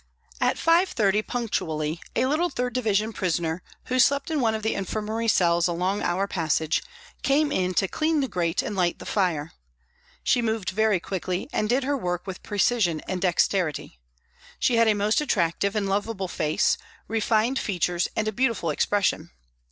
At 5.30 punctually, a little 3rd Division prisoner, who slept in one of the infirmary cells along our passage, came in to clean the grate and light the fire. She moved very quickly and did her work with precision and dexterity. She had a most attractive and lovable face, refined features and a beautiful expression.